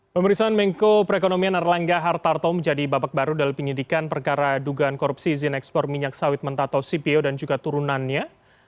pemeriksaan menko perekonomian erlangga hartarto menjadi babak baru dalam penyidikan perkara dugaan korupsi izin ekspor minyak sawit mentah atau cpo dan juga turunannya